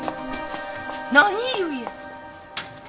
何ゆえ？